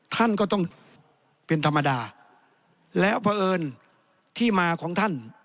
ท่านก็ต้องเป็นธรรมดาแล้วเพราะเอิญที่มาของท่าน